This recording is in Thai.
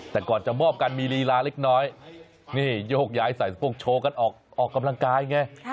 แต่ก่อนจะมอบกันมีลีลาเล็กน้อยนี่โยกย้ายใส่พวกโชว์กันออกกำลังกายไง